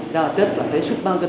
già tết là súc ba cân